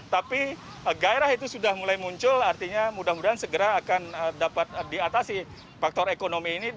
tapi gairah itu sudah mulai muncul artinya mudah mudahan segera akan dapat diatasi faktor ekonomi ini